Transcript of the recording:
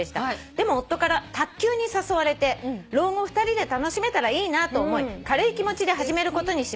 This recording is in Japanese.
「でも夫から卓球に誘われて老後２人で楽しめたらいいなと思い軽い気持ちで始めることにしました」